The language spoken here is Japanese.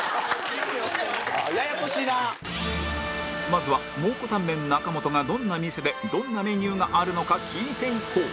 まずは蒙古タンメン中本がどんな店でどんなメニューがあるのか聞いていこう